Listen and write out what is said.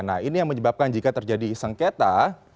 nah ini yang menyebabkan jika terjadi sengketa